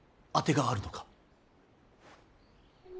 当てがあるのか。